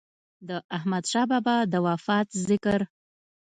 د احمد شاه بابا د وفات ذکر